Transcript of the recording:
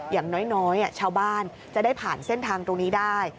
อย่างน้อยชาวบ้านจะได้ผ่านเส้นทางตรงนี้ได้